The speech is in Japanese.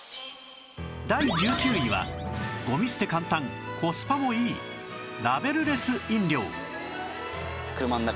第１９位はゴミ捨て簡単コスパもいいラベルレス飲料